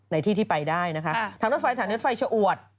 ในที่ที่ไปได้นะคะทางรถไฟทางรถไฟชะอวด